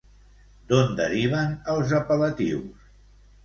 D'on deriven els apel·latius?